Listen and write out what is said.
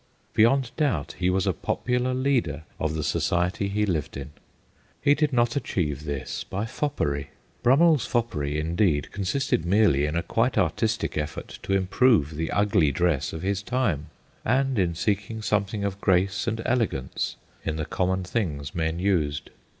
Beyond doubt he was a popular leader of the society he lived in. He did not achieve this by foppery. Brummeirs foppery, indeed, consisted merely in a quite artistic effort to improve the ugly dress of Ms time, and in seeking something of grace and elegance in the common things men used.